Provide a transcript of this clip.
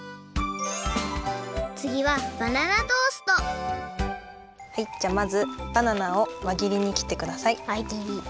つぎははいじゃあまずバナナをわぎりにきってください。わぎり。